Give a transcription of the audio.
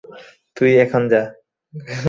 তুই এখন যা।